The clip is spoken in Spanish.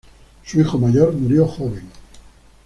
Su hijo mayor murió joven.